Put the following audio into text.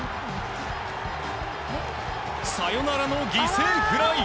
サヨナラの犠牲フライ。